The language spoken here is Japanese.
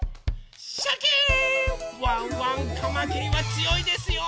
ワンワンかまきりはつよいですよ！